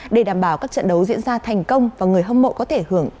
để đảm bảo các trận đấu diễn ra thành công và người hâm mộ có thể hưởng